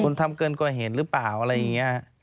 คุณทำเกินกว่าเหตุหรือเปล่าอะไรอย่างนี้